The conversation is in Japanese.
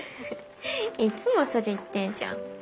いつもそれ言ってんじゃん。